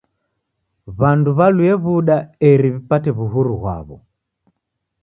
W'andu w'alue w'uda eri w'ipate w'uhuru ghwaw'o.